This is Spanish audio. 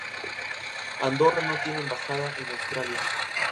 Andorra no tiene embajada en Australia.